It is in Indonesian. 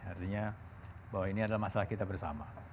artinya bahwa ini adalah masalah kita bersama